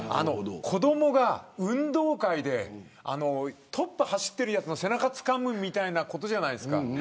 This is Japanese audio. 子どもが運動会でトップを走っている奴の背中をつかむみたいなことじゃないですか。